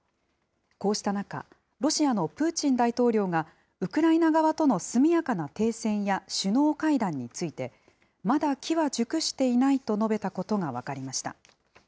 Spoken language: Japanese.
こうした中、ロシアのプーチン大統領が、ウクライナ側との速やかな停戦や、首脳会談について、まだ機は熟していないと述べたことが分かりました。